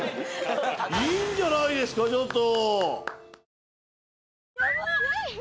いいんじゃないですかちょっと。